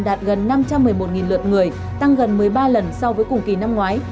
đạt gần năm trăm một mươi một lượt người tăng gần một mươi ba lần so với cùng kỳ năm ngoái